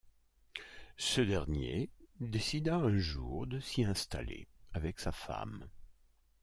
Ce dernier décida un jour de s'y installer avec sa femme.